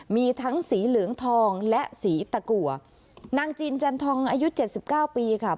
มีทั้งสีเหลืองทองและสีตะกัวนางจีนจันทองอายุเจ็ดสิบเก้าปีค่ะ